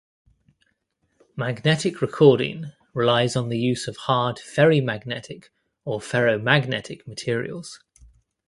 Magnetic recording relies on the use of hard ferrimagnetic or ferromagnetic materials.